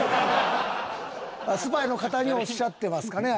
スパイの方におっしゃってますかね